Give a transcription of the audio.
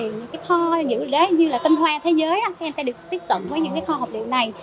những kho như tinh hoa thế giới sẽ được tiếp cận với những kho học liệu này